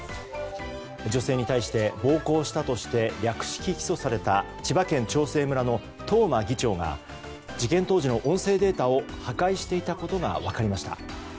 女性に対して暴行したとして略式起訴された千葉県長生村の東間議長が事件当時の音声データを破壊していたことが分かりました。